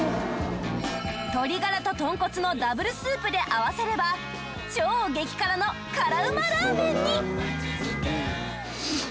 鶏ガラと豚骨のダブルスープで合わせれば超激辛の辛ウマラーメンに！